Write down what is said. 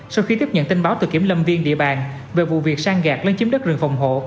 sau khi tiếp nhận tin báo từ kiểm lâm viên địa bàn về vụ việc sang gạt lấn chiếm đất rừng phòng hộ